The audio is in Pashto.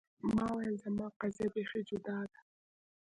ما ویل زما قضیه بیخي جدا ده.